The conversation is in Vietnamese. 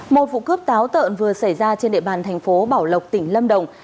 một vụ cướp táo tợn vừa xảy ra trên địa bàn thành phố bảo lộc tỉnh lâm đồng